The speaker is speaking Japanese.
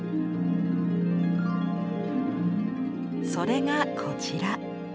それがこちら。